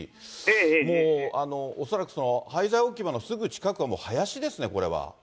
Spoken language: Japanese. もう、恐らく廃材置き場のすぐ近くは林ですね、これは。